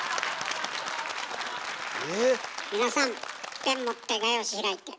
皆さんペン持って画用紙開いて。